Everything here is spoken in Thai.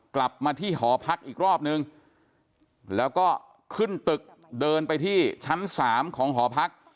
กลับมาที่หอพักอีกรอบนึงแล้วก็ขึ้นตึกเดินไปที่ชั้นสามของหอพัก